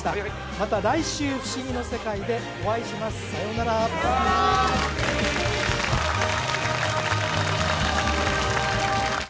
また来週ふしぎの世界でお会いしますさようならさようなら